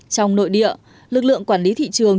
trong nội địa lực lượng quản lý thị trường